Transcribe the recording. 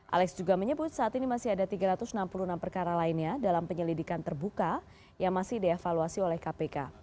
alex juga menyebut saat ini masih ada tiga ratus enam puluh enam perkara lainnya dalam penyelidikan terbuka yang masih dievaluasi oleh kpk